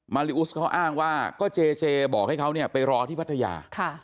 ริอุสเขาอ้างว่าก็เจเจบอกให้เขาเนี่ยไปรอที่พัทยา